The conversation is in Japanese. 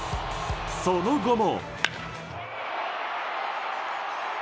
その後も。